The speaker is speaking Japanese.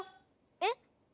えっ？